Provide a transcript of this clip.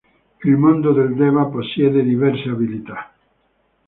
Il Mondo dei Deva possiede diverse abilità.